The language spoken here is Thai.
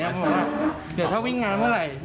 แล้วผ่านมาเดี๋ยวถ้าวิ่งงานเมื่อไหร่